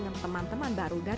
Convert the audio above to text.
saya mengatakan bahwa